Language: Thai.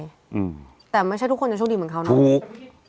อืมแต่ไม่ใช่ทุกคนจะโชคดีเหมือนเขานะถูก